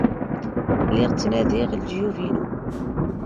Lliɣ ttnadiɣ lejyub-inu.